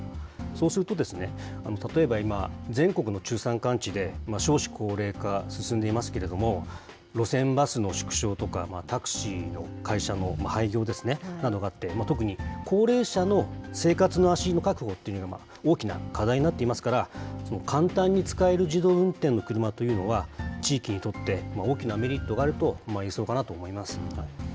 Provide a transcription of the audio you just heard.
そうすると、例えば今、全国の中山間地で少子高齢化、進んでいますけれども、路線バスの縮小とか、タクシーの会社の廃業ですね、などがあって、特に、高齢者の生活の足の確保というのが大きな課題になっていますから、その簡単に使える自動運転の車というのは、地域にとって大きなメリットがあると思われそうかなと思います。